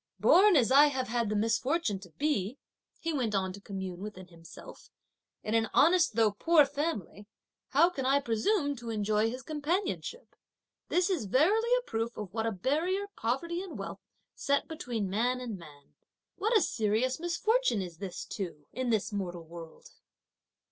"Born as I have had the misfortune to be," he went on to commune within himself, "in an honest, though poor family, how can I presume to enjoy his companionship! This is verily a proof of what a barrier poverty and wealth set between man and man. What a serious misfortune is this too in this mortal world!"